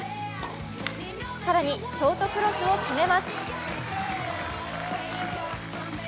更にショートクロスを決めます。